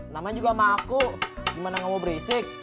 namanya juga sama aku gimana gak mau berisik